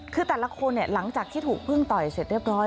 คือแต่ละคนหลังจากที่ถูกพึ่งต่อยเสร็จเรียบร้อย